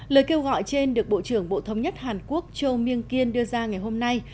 lời kêu gọi trên được bộ trưởng bộ thống nhất hàn quốc châu myêng kiên đưa ra ngày hôm nay